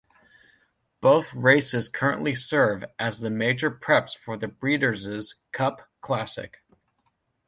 Both races currently serve as major preps for the Breeders' Cup Classic.